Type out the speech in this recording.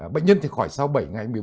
bệnh nhân thì khỏi sau bảy ngày